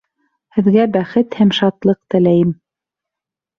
Һеҙгә бәхет һәм шатлыҡ теләйем!